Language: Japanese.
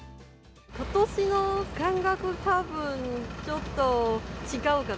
ことしの感覚、たぶんちょっと違うかな。